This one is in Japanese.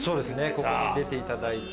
ここに出ていただいて。